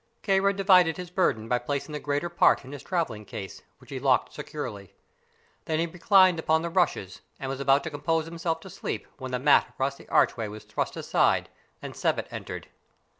Kāra divided his burden by placing the greater part in his traveling case, which he locked securely. Then he reclined upon the rushes and was about to compose himself to sleep when the mat across the archway was thrust aside and Sebbet entered.